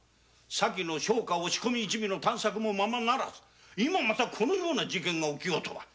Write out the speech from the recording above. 商家押し込み一味の探索もままならず今またこのような事件が起きようとは！